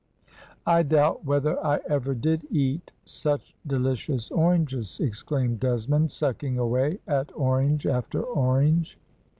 "I doubt whether I ever did eat such delicious oranges," exclaimed Desmond, sucking away at orange after orange.